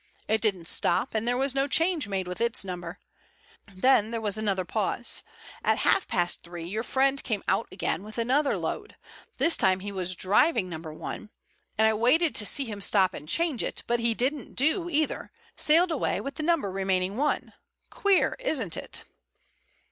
It didn't stop and there was no change made with its number. Then there was another pause. At half past three your friend came out again with another load. This time he was driving No. 1, and I waited to see him stop and change it. But he didn't do either. Sailed away with the number remaining 1. Queer, isn't it?"